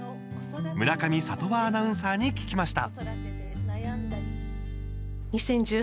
村上里和アナウンサーに聞きました。